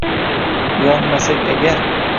Yonmasak agar, —